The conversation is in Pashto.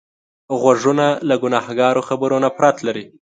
غوږونه له ګناهکارو خبرو نفرت لري